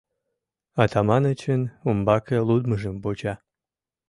Атаманычын умбаке лудмыжым вуча.